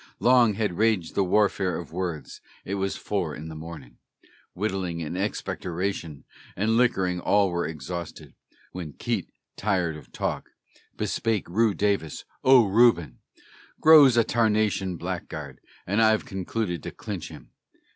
Long had raged the warfare of words; it was four in the morning; Whittling and expectoration and liquorin' all were exhausted, When Keitt, tired of talk, bespake Reu. Davis, "O Reuben, Grow's a tarnation blackguard, and I've concluded to clinch him."